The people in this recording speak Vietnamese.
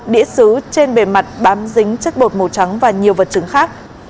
đĩa xứ trên bề mặt bám dính chất bột màu trắng và nhiều vật chứng khác